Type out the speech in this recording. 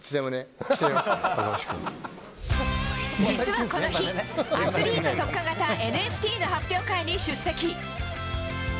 実はこの日アスリート特化型ＮＦＴの発表会に出席。